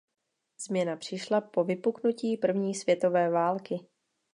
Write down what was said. Změna přišla po vypuknutí první světové války.